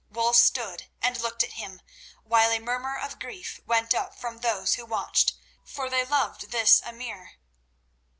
Wulf stood and looked at him, while a murmur of grief went up from those who watched, for they loved this emir.